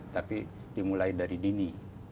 tapi dimulai dari dini